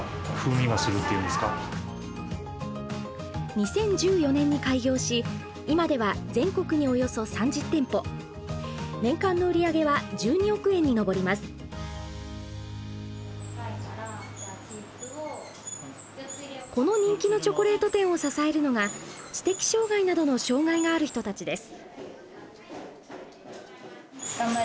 ２０１４年に開業し今ではこの人気のチョコレート店を支えるのが知的障害などの障害がある人たちです。